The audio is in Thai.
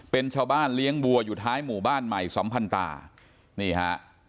เป็นชาวบ้านเลี้ยงบัวอยู่ท้ายหมู่บ้านใหม่สัมพันธานี่ฮะ